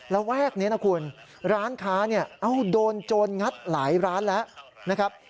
แวกนี้นะคุณร้านค้าเนี่ยโดนโจรงัดหลายร้านแล้วนะครับ